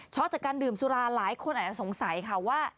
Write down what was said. จากการดื่มสุราหลายคนอาจจะสงสัยค่ะว่า